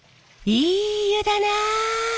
いい湯だな！